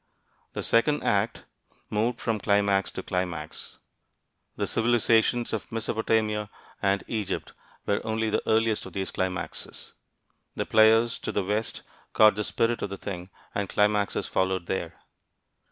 The second act moved from climax to climax. The civilizations of Mesopotamia and Egypt were only the earliest of these climaxes. The players to the west caught the spirit of the thing, and climaxes followed there.